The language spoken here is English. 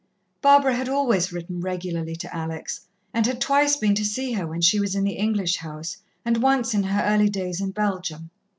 Barbara had always written regularly to Alex, and had twice been to see her when she was in the English house and once in her early days in Belgium.